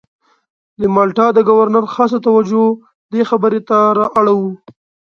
د مالټا د ګورنر خاصه توجه دې خبرې ته را اړوو.